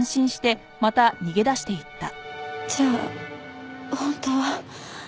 じゃあ本当は。